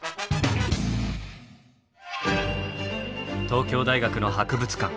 東京大学の博物館。